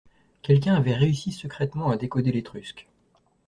Quelqu’un avait réussi secrètement à décoder l’étrusque